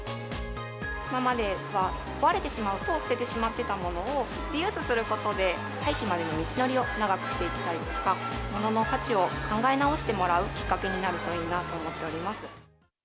今までは壊れてしまうと捨ててしまっていたものを、リユースすることで、廃棄までの道のりを長くしていきたいとか、ものの価値を考え直してもらうきっかけになるといいなと思っております。